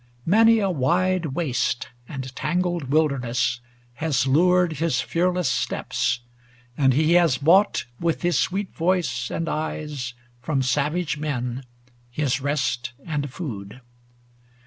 Many a wide waste and tangled wilder ness Has lured his fearless steps; and he has bought With his sweet voice and eyes, from savage men, 80 His rest and food.